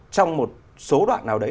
trong một số đoạn nào đấy